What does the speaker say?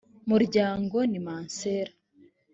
muryango ni masera